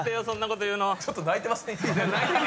そんなこと言うの。